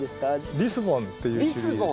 リスボンっていう種類です。